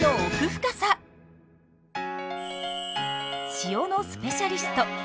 塩のスペシャリスト